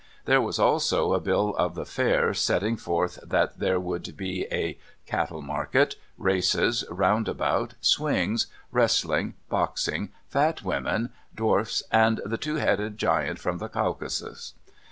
There was also a bill of the Fair setting forth that there would be a "Cattle Market, Races, Roundabout, Swings, Wrestling, Boxing, Fat Women, Dwarfs, and the Two Headed Giant from the Caucasus."